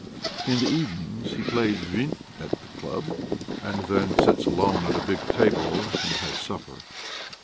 In the evenings he plays vint at the club, and then sits alone at a big table and has supper.